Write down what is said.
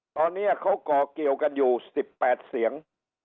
ตอนนี้เขาก่อเกี่ยวกันอยู่๑๘เสียง